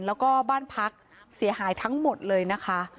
แล้วก็บ้านพักเสียหายทั้งหมดเลยนะคะ